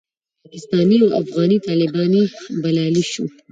پاکستاني او افغاني طالبان یې بللای شو.